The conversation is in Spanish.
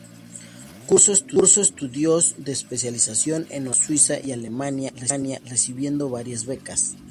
Cursó estudios de especialización en Holanda, Suiza y Alemania, recibiendo varias becas.